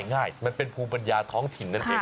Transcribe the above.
ง่ายมันเป็นภูมิปัญญาท้องถิ่นนั่นเอง